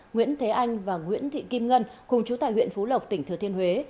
nguyễn thế anh và nguyễn thị kim ngân cùng chú tại huyện phú lộc tỉnh thừa thiên huế